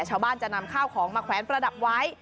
ชาวบ้านจะนำข้าวของมาแขวนประดับไว้